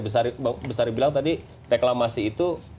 bang bestari bilang tadi reklamasi itu